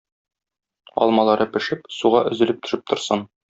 Алмалары пешеп, суга өзелеп төшеп торсын.